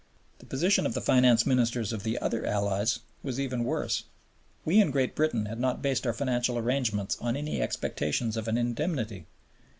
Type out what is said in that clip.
The position of the Finance Ministers of the other Allies was even worse. We in Great Britain had not based our financial arrangements on any expectations of an indemnity.